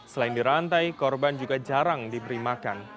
selain dirantai korban juga jarang diberi makan